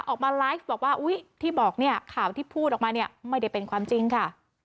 ออกมาไลฟ์บอกว่าอุ๊ยข่าวที่พูดออกมาไม่ได้เป็นความจริงค่ะ